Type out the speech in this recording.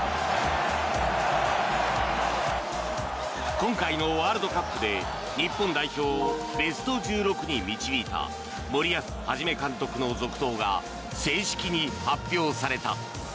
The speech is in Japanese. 今回のワールドカップで日本代表をベスト１６に導いた森保一監督の続投が正式に発表された。